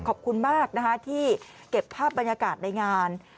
ขอบคุณมากนะคะที่เก็บภาพบรรยากาศในงาน